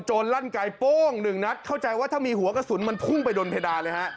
ลั่นไกลโป้งหนึ่งนัดเข้าใจว่าถ้ามีหัวกระสุนมันพุ่งไปโดนเพดานเลยฮะ